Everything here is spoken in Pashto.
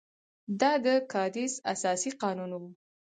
دا د کادیس اساسي قانون وو.